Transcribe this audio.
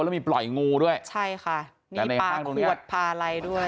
แล้วมีปล่อยงูด้วยใช่ค่ะมีปลาขวดปลาอะไรด้วย